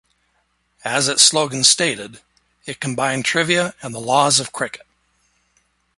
As its slogan stated, it combined trivia and the laws of cricket.